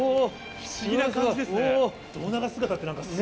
不思議な感じですね。